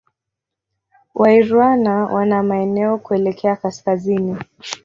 Wairwana wana maeneo kuelekea Kaskazini